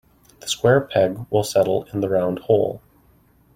The square peg will settle in the round hole.